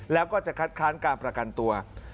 แล้วก็จะคัดค้านการประกันตัว